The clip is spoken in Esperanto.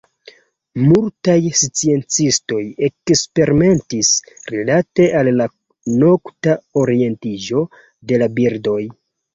Multaj sciencistoj eksperimentis rilate al la nokta orientiĝo de la birdoj.